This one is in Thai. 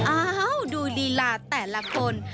อ้าวดูลีลาแต่ละคน